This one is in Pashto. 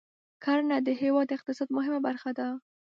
کرنه د هېواد د اقتصاد مهمه برخه ده.